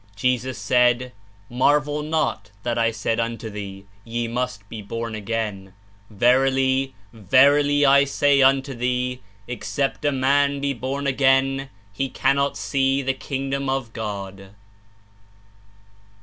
Jesus said, ''Mar vel not that I said unto thee, Ye must be born again .... Verily, verily I say unto thee, Except a man be born again, he cannot see the kingdom of God.''